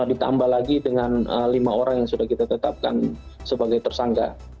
ditambah lagi dengan lima orang yang sudah kita tetapkan sebagai tersangka